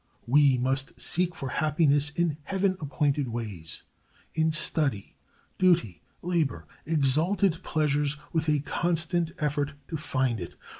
We must seek for happiness in heaven appointed ways, in study, duty, labor, exalted pleasures, with a constant effort to find it.